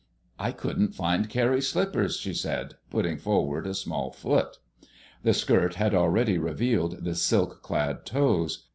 "I couldn't find Carrie's slippers," she said, putting forward a small foot. The skirt had already revealed the silk clad toes.